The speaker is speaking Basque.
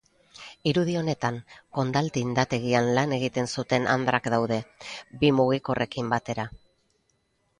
Irudi honetan, Condal tindategian lan egiten zuten andrak daude, bi mugikorrekin batera.